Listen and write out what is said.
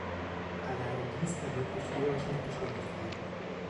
Alleine dies ermöglicht höhere Schnittgeschwindigkeiten.